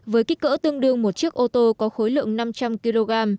với kích cỡ tương đương một chiếc ô tô có khối lượng năm trăm linh kg